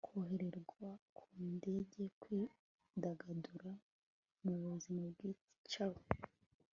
Kworoherwakugenda kwidagadura mubuzima bwicaye